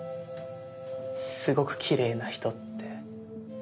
すごくきれいな人って。